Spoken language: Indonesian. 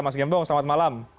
mas gembong selamat malam